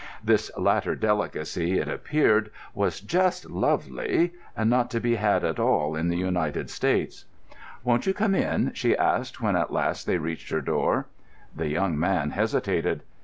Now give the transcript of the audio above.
This latter delicacy, it appeared, was "just lovely," and not to be had at all in the United States. "Won't you come in?" she asked, when at last they reached her door. The young man hesitated.